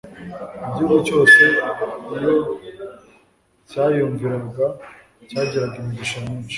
Igihugu cyose iyo cyayunviraga cyagiraga imigisha myinshi.